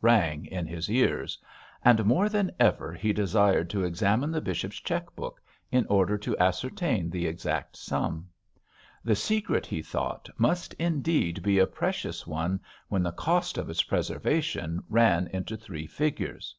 rang in his ears; and more than ever he desired to examine the bishop's cheque book, in order to ascertain the exact sum. The secret, he thought, must indeed be a precious one when the cost of its preservation ran into three figures.